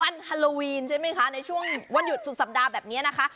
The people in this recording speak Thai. มันฮาโลวีนใช่ไหมคะในช่วงวันหยุดสุดสัปดาห์แบบนี้นะคะ